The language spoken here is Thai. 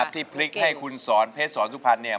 ที่พลิกให้คุณสอนเพชรสอนสุพรรณเนี่ย